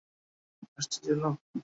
এখন যে লোকটা আসছে তাকে চেনো?